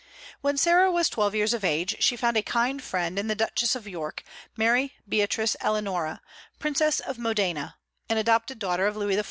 When Sarah was twelve years of age, she found a kind friend in the Duchess of York, Mary Beatrice Eleanora, Princess of Modena (an adopted daughter of Louis XIV.)